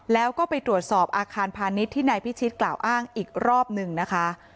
แล้วก็ไปตรวจสอบอาคารพาณิชย์ที่นายพิชิตกล่าวอ้างอีกรอบหนึ่งนะคะ